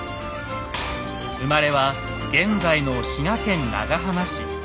生まれは現在の滋賀県長浜市。